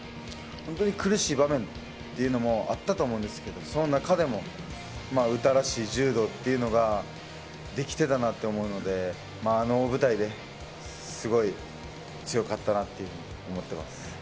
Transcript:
本当に苦しい場面というのもあったと思うんですけど、その中でも、詩らしい柔道っていうのができてたなって思うので、あの大舞台ですごい強かったなって思ってます。